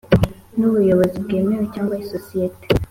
N ubuyobozi bwemewe cyangwa isosiyete